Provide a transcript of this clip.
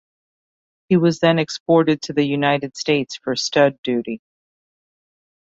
He was then exported to the United States for stud duty.